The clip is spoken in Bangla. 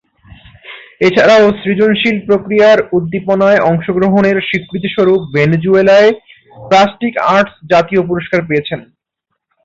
এছাড়াও, সৃজনশীল প্রক্রিয়ার উদ্দীপনায় অংশগ্রহণের স্বীকৃতিস্বরূপ ভেনেজুয়েলার প্লাস্টিক আর্টস জাতীয় পুরস্কার পেয়েছেন।